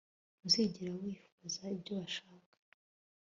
Ntuzigera wifuza ibyo bashaka